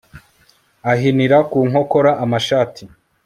Ahinira ku nkokora amashati